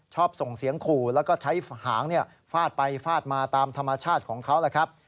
ส่งเสียงขู่แล้วก็ใช้หางฟาดไปฟาดมาตามธรรมชาติของเขาแหละครับ